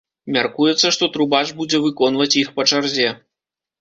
Мяркуецца, што трубач будзе выконваць іх па чарзе.